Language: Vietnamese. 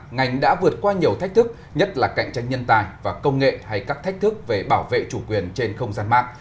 ngành đã vượt qua nhiều thách thức nhất là cạnh tranh nhân tài và công nghệ hay các thách thức về bảo vệ chủ quyền trên không gian mạng